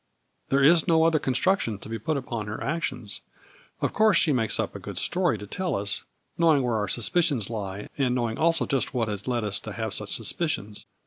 " There is no other construction to be put upon her actions. Of course she makes up a good story to tell us, knowing where our sus picions lie, and knowing also just what led us to have such suspicions.